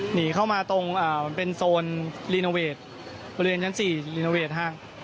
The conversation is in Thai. หนีเข้ามาตรงมันเป็นโซนรีโนเวทบริเวณชั้น๔รีโนเวทห้าง